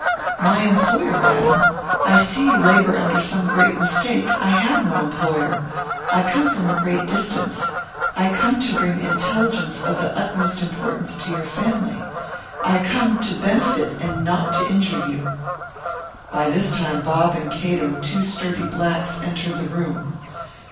"My employer, madam! I see you labour under some great mistake. I have no employer. I come from a great distance. I come to bring intelligence of the utmost importance to your family. I come to benefit and not to injure you." By this time, Bob and Cato, two sturdy blacks, entered the room.